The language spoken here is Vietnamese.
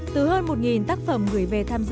từ hơn một tác phẩm gửi về tham dự